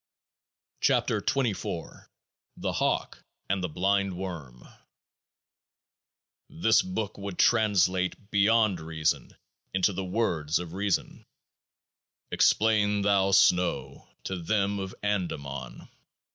32 KEOAAH KA THE HAWK AND THE BLINDWORM This book would translate Beyond Reason into the words of Reason. Explain thou snow to them of Andaman.